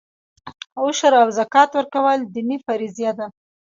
عشر او زکات ورکول دیني فریضه ده.